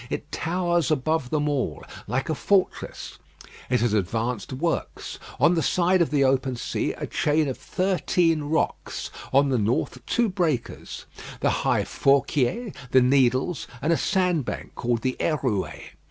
It towers above them all; like a fortress, it has advanced works: on the side of the open sea, a chain of thirteen rocks; on the north, two breakers the High Fourquiés, the Needles, and a sandbank called the Hérouée.